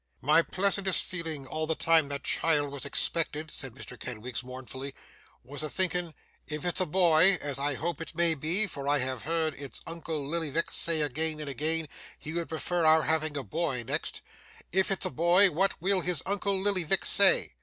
'My pleasantest feeling, all the time that child was expected,' said Mr Kenwigs, mournfully, 'was a thinking, "If it's a boy, as I hope it may be; for I have heard its uncle Lillyvick say again and again he would prefer our having a boy next, if it's a boy, what will his uncle Lillyvick say?